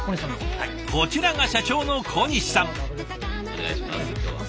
こちらが社長の小西さん。